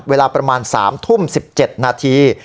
เวลาประมาณ๓ทุ่ม๑๗นาที